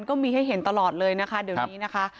ก็มีให้เห็นตลอดเลยนะคะเดี๋ยวนี้นะคะ